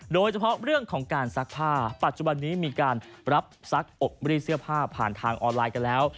โดยเฉพาะเรื่องของการซักผ้าปัจจุบันนี้มีการรับซักอบรีดเสื้อผ้าผ่านทางออนไลน์กันแล้ว